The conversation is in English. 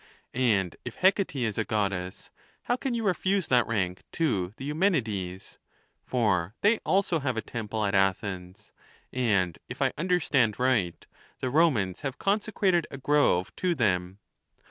And if Hec ate is a Goddess, how can you refuse that rank to the Eumenides? for tlicy also have a temple at Athens, and, if I understand riglit, the Romans have consecrated a grove to them.